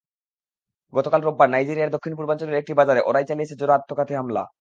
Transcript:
গতকাল রোববার নাইজেরিয়ার দক্ষিণ পূর্বাঞ্চলের একটি বাজারে ওরাই চালিয়েছে জোড়া আত্মঘাতী হামলা।